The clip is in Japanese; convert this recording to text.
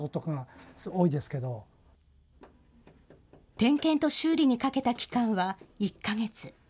点検と修理にかけた期間は１か月。